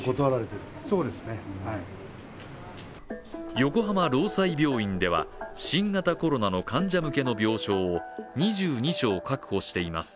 横浜労災病院では、新型コロナの患者向けの病床を２２床確保しています。